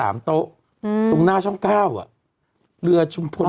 อันนั้นด้วยหรือ